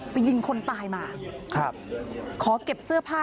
ปี๖๕วันเกิดปี๖๔ไปร่วมงานเช่นเดียวกัน